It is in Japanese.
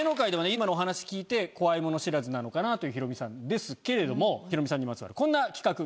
今のお話聞いて怖いもの知らずなのかなというヒロミさんですけれどもヒロミさんにまつわるこんな企画ご用意しました。